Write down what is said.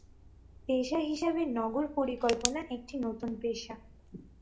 পেশা হিসেবে নগর পরিকল্পনা একটি নতুন পেশা।